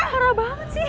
parah banget sih